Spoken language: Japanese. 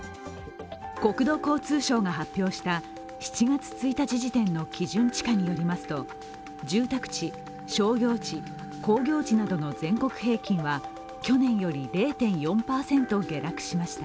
国土交通省が発表した７月１日時点の基準地価によりますと住宅地、商業地、工業地などの全国平均は去年より０．４％下落しました。